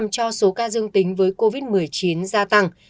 cho số ca dương tính với covid một mươi chín gia tăng